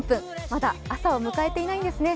まだ朝を迎えていないんですね。